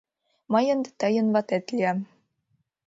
Мый ынде тыйын ватет лиям.